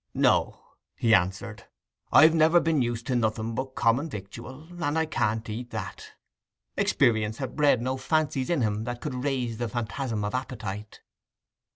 "No," he answered, "I've never been used to nothing but common victual, and I can't eat that." Experience had bred no fancies in him that could raise the phantasm of appetite.